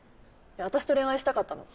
私と恋愛したかったの？